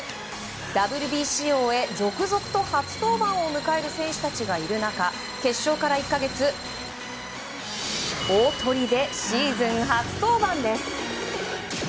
ＷＢＣを終え、続々と初登板を迎える選手がいる中決勝から１か月大トリでシーズン初登板です。